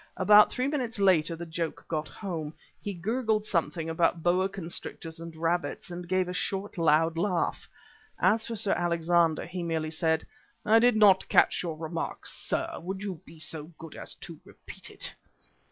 About three minutes later the joke got home. He gurgled something about boa constrictors and rabbits and gave a short, loud laugh. As for Sir Alexander, he merely said: "I did not catch your remark, sir, would you be so good as to repeat it?"